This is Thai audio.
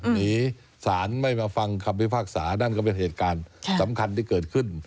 หนีสารไม่มาฟังคำพิพากษานั่นก็เป็นเหตุการณ์สำคัญที่เกิดขึ้น